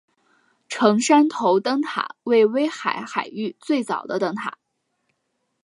成山头灯塔为威海海域最早的灯塔。